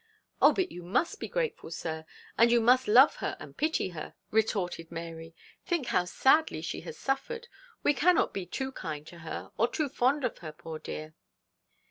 'Oh but you must be grateful, sir; and you must love her and pity her,' retorted Mary. 'Think how sadly she has suffered. We cannot be too kind to her, or too fond of her, poor dear.'